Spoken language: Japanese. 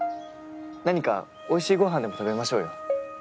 何かおいしいごはんでも食べましょうよ。